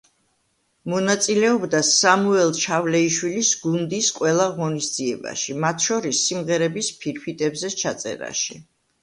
მონაწილეობდა სამუელ ჩავლეიშვილის გუნდის ყველა ღონისძიებაში, მათ შორის სიმღერების ფირფიტებზე ჩაწერაში.